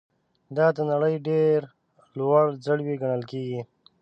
دا د نړۍ ډېر لوړ ځړوی ګڼل کیږي.